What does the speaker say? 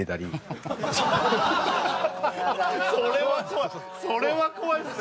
それは怖いそれは怖いっすね